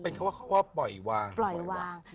เพราะว่าปล่อยวาง